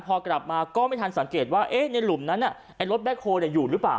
พอกลับมาก็ไม่ทันสังเกตว่าในหลุมนั้นไอ้รถแบ็คโฮลอยู่หรือเปล่า